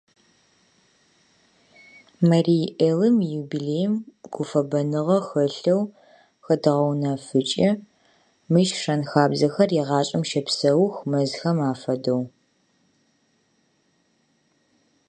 Празднуем юбилей Марий Эл с теплотой. Здесь традиции живут вечно, как леса!